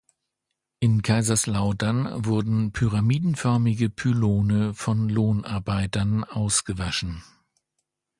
In Kaiserslautern wurden pyramidenförmige Pylone von Lohnarbeitern ausgewaschen.